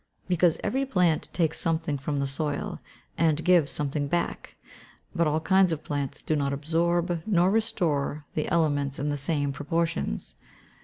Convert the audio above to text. _ Because every plant takes something from the soil, and gives something back; but all kinds of plants do not absorb nor restore the elements in the same proportions.